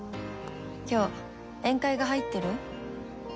「今日宴会が入ってる？」